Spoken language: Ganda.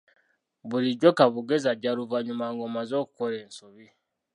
Bulijjo kaabugezi ajja luvannyuma ng'omaze okukola ensobi.